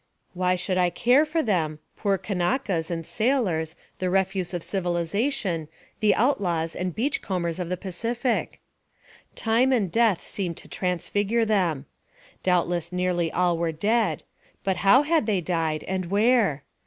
Why should I care for them, poor Kanakas and sailors, the refuse of civilization, the outlaws and beach combers of the Pacific! Time and death seemed to transfigure them. Doubtless nearly all were dead; but how had they died, and where?